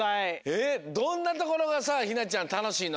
えっどんなところがさひなちゃんたのしいの？